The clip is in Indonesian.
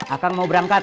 akang mau berangkat